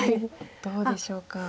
どうでしょうか。